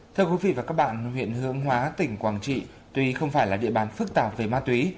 thưa quý vị và các bạn huyện hướng hóa tỉnh quảng trị tuy không phải là địa bàn phức tạp về ma túy